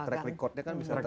track recordnya kan bisa